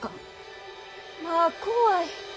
まぁ怖い。